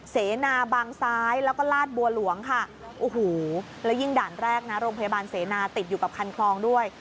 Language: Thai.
เสนาบางซ้ายแล้วก็ลาดบัวหลวงค่ะโอ้โหแล้วยิ่งด่านแรกนะโรงพยาบาลเสนาติดอยู่กับคันคลองด้วย